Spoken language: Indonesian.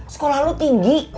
sekolah lu tinggi